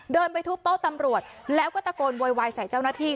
ไปทุบโต๊ะตำรวจแล้วก็ตะโกนโวยวายใส่เจ้าหน้าที่